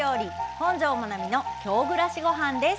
本上まなみの「京暮らしごはん」です。